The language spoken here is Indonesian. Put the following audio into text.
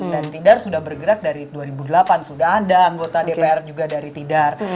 dan tidar sudah bergerak dari dua ribu delapan sudah ada anggota dpr juga dari tidar